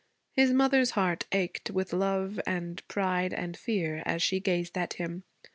His mother's heart ached with love and pride and fear as she gazed at him.